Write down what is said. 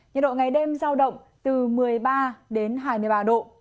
nhiệt độ ngày đêm giao động từ một mươi ba đến hai mươi ba độ